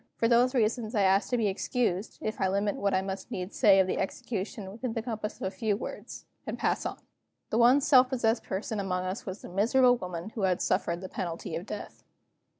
For these reasons I ask to be excused, if I limit what I must needs say of the execution within the compass of a few words and pass on. The one self possessed person among us was the miserable woman who suffered the penalty of death.